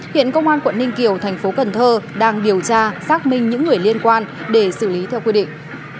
hiện công an quận ninh kiều thành phố cần thơ đang điều tra xác minh những người liên quan để xử lý theo quy định